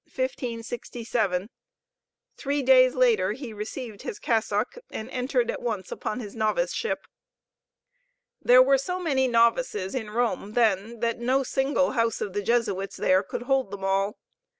Three days later he received his cassock and entered at once upon his noviceship. There were so many novices in Rome then that no single house of the Jesuits there could hold them all.